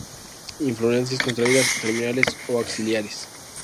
Inflorescencias contraídas, terminales o axilares.